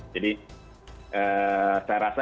jadi saya rasa